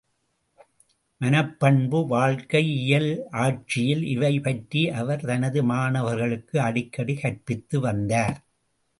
மனப்பண்பு, வாழ்க்கை இயல், ஆட்சியியல் இவை பற்றி அவர் தனது மாணவர்களுக்கு அடிக்கடி கற்பித்து வந்தார்!